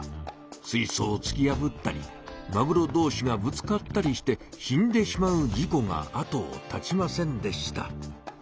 水そうをつきやぶったりマグロどうしがぶつかったりして死んでしまう事こがあとをたちませんでした。